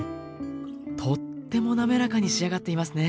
とってもなめらかに仕上がっていますね。